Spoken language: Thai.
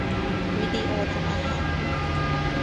วิดีโอทำอาหาร